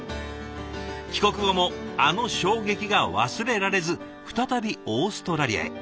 帰国後もあの衝撃が忘れられず再びオーストラリアへ。